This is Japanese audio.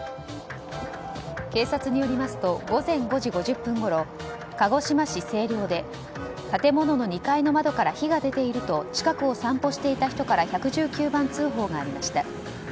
警察によりますと午前５時５０分ごろ鹿児島市西陵で建物の２階の窓から火が出ていると近くを散歩していた人から１１９番通報がありました。